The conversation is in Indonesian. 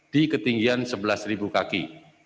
di ketinggian sebelas kaki